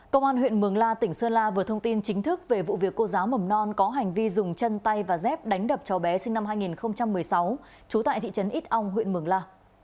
công an huyện mường la tỉnh sơn la vừa thông tin chính thức về vụ việc cô giáo mầm non có hành vi dùng chân tay và dép đánh đập cháu bé sinh năm hai nghìn một mươi sáu trú tại thị trấn ít ong huyện mường la